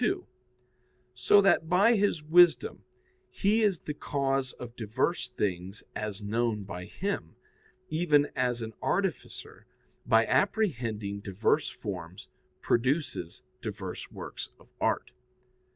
2); so that by His wisdom He is the cause of diverse things as known by Him, even as an artificer, by apprehending diverse forms, produces diverse works of art.